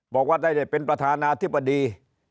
บอกว่าได้เป็นประธานาธิบดี